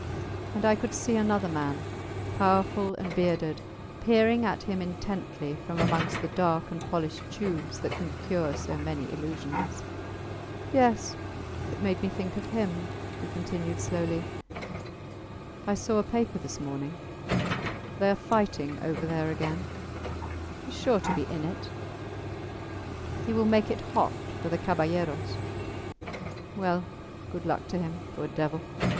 . and I could see another man, powerful and bearded, peering at him intently from amongst the dark and polished tubes that can cure so many illusions. Yes; it made me think of him, he continued, slowly. I saw a paper this morning; they are fighting over there again. Hes sure to be in it. He will make it hot for the caballeros. Well, good luck to him, poor devil!